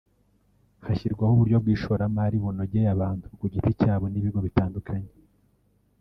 hashyirwaho uburyo bw’ishoramari bunogeye abantu ku giti cyabo n’ibigo bitandukanye